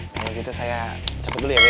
kalau gitu saya capek dulu ya be